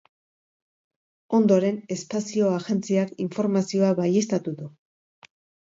Ondoren, espazio agentziak informazioa baieztatu du.